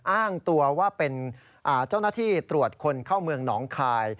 อ้างตัวว่าเป็นเจ้าหน้าที่ตรวจคนเข้าเมืองหนองคาย